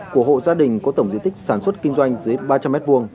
của hộ gia đình có tổng diện tích sản xuất kinh doanh dưới ba trăm linh m hai